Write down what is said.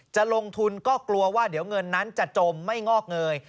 จะลงทุนก็กลัวว่าเดี๋ยวเงินนั้นจะจมไม่งอกเงย